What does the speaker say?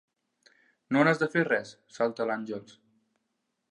No n'has de fer res! –salta l'Àngels.